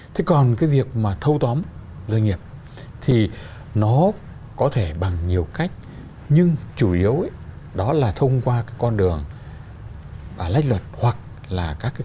thế còn cái việc mà thâu tóm doanh nghiệp thì nó có thể bằng nhiều cách nhưng chủ yếu đó là thông qua cái con đường lách luật hoặc là các cái